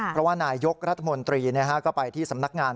เพราะว่านายยกรัฐมนตรีก็ไปที่สำนักงาน